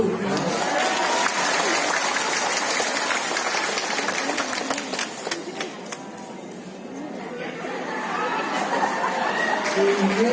ini elektabilitasnya sudah going down